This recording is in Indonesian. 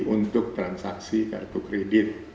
untuk transaksi kartu kredit